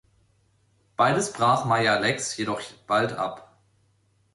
Beides brach Maja Lex jedoch bald ab.